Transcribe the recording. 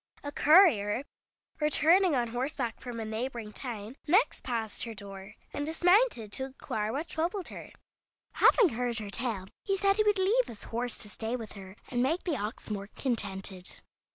A courier, returning on horseback from a neighboring town, next passed her door, and dismounted to inquire what troubled her. Having heard her tale, he said he would leave his horse to stay with her, and make the ox more contented.